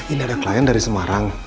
ini ada klien dari semarang